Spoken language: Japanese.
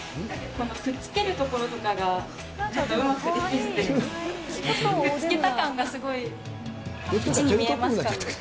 くっつけるところとかが、ちょっとうまくできず、くっつけた感がすごい、１に見えますかね。